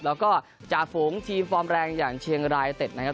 แล้วก็จ่าฝูงทีมฟอร์มแรงอย่างเชียงรายเต็ดนะครับ